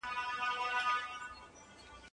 د غالب دیوان ارسیوز لابراتوار ته واستول سو.